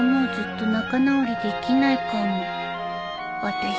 私